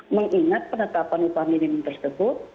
mengingat penetapan upah minimum tersebut